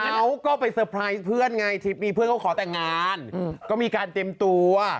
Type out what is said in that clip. เขาก็ไปเตอร์ไพรส์เพื่อนไงทริปนี้เพื่อนเขาขอแต่งงานก็มีการเตรียมตัว